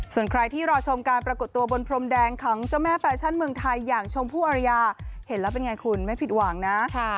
ส่วนใครที่รอชมการปรากฏตัวบนพรมแดงของเจ้าแม่แฟชั่นเมืองไทยอย่างชมพู่อรยาเห็นแล้วเป็นไงคุณไม่ผิดหวังนะ